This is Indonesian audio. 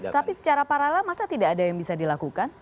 tapi secara paralel masa tidak ada yang bisa dilakukan